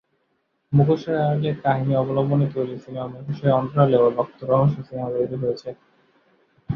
মুখোশের আড়ালে কাহিনী অবলম্বনে তৈরি সিনেমা মুখোশের অন্তরালে ও রক্ত রহস্য সিনেমা তৈরি হয়েছে।